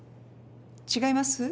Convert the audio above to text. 違います？